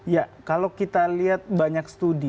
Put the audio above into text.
ya kalau kita lihat banyak studi